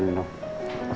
terima kasih pak